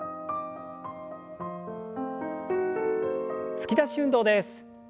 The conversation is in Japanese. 突き出し運動です。